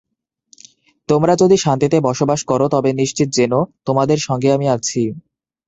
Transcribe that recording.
তোমরা যদি শান্তিতে বসবাস করো, তবে নিশ্চিত জেনো, তোমাদের সঙ্গে আমি আছি।